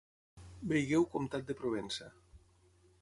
Vegeu comtat de Provença.